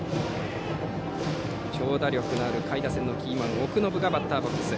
長打力のある下位打線のキーマン奥信がバッターボックス。